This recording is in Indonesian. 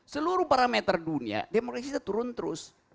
seluruh parameter dunia demokrasi kita turun terus